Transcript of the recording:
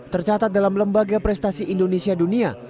tercatat dalam lembaga prestasi indonesia dunia